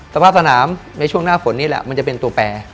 สภาพสนามในช่วงหน้าฝนนี่แหละมันจะเป็นตัวแปร